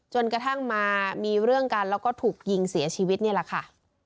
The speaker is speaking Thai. จนกระทั่งมามีเรื่องกันแล้วก็ถูกยิงเสียชีวิตนี่แหละค่ะ